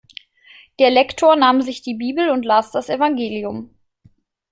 Der Lektor nahm sich die Bibel und las das Evangelium.